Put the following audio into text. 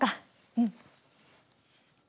うん。